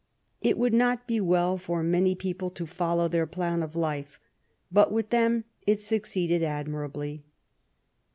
It would not be well for many people to follow their plan of life, but with them it succeeded admirably.